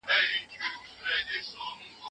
که پوهه نه وي، ټولنه به په جهالت کي ډوبه سي.